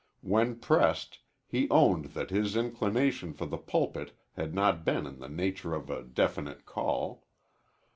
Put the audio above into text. When pressed, he owned that his inclination for the pulpit had not been in the nature of a definite call.